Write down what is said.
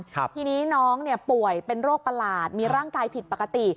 ทีนี้น้องเนี่ยป่วยเป็นโรคประหลาดมีร่างกายผิดปกติ